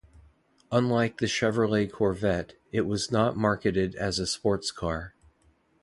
Unlike the Chevrolet Corvette, it was not marketed as a sports car.